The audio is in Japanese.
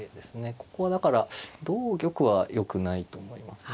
ここはだから同玉はよくないと思いますね。